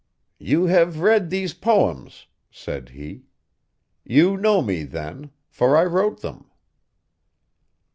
'You have read these poems,' said he. 'You know me, then for I wrote them.